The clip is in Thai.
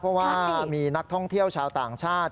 เพราะว่ามีนักท่องเที่ยวชาวต่างชาติ